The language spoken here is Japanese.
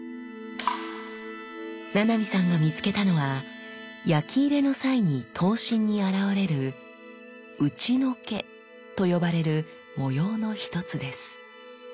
七海さんが見つけたのは焼き入れの際に刀身に現れる打除けと呼ばれる模様の一つです。